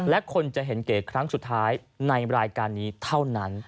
และคนจะเห็นเก๋ครั้งสุดท้ายในรายการนี้เท่านั้น